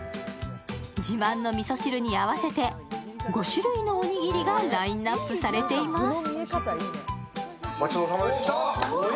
自慢のみそ汁に合わせて５種類のおにぎりがラインナップされています。